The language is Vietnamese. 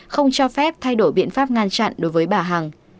không cho phép thay đổi biện pháp ngăn chặn đối với bà hằng